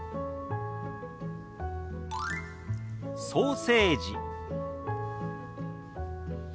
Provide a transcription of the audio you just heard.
「ソーセージ」。